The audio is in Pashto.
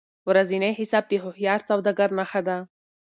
ورځنی حساب د هوښیار سوداګر نښه ده.